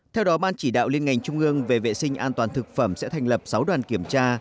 theo đó ban chỉ đạo liên ngành trung ương về vệ sinh an toàn thực phẩm sẽ thành lập sáu đoàn kiểm tra